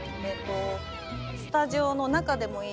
スタジオの中でも。